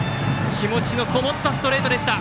気持ちのこもったストレートでした。